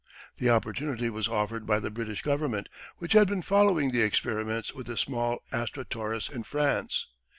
The opportunity was offered by the British Government, which had been following the experiments with the small Astra Torres in France.